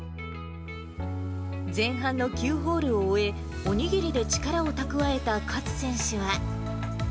前半の９ホールを終え、お握りで力を蓄えた勝選手は。